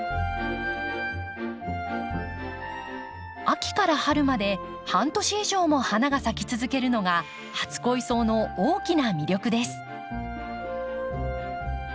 秋から春まで半年以上も花が咲き続けるのが初恋草の大きな魅力です。